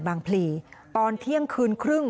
พลีตอนเที่ยงคืนครึ่ง